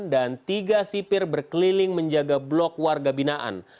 dan tiga sipir berkeliling menjaga blok warga binaan